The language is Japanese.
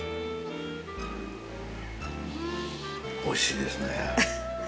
おいしいですねぇ。